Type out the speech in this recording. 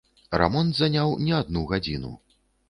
Рамонт заняў не адну гадзіну.